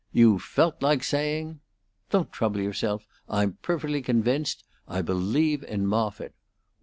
You felt like saying: "'Don't trouble yourself; I'm perfectly convinced. I believe in Moffitt.'